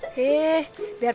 eh biar pintar